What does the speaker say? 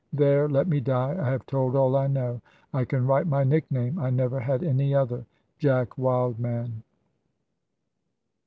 There, let me die; I have told all I know. I can write my nickname. I never had any other Jack Wildman."